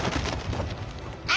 あ！